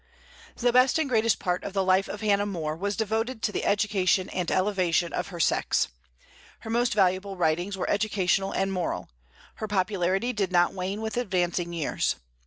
The best and greatest part of the life of Hannah More was devoted to the education and elevation of her sex. Her most valuable writings were educational and moral. Her popularity did not wane with advancing years.